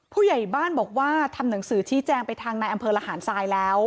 ผู้ใหญ่บ้านบอกว่าทำหนังสือชี้แจงไปทางในอำเภอระหารทรายแล้ว